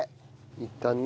いったんね。